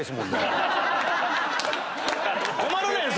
困るねん！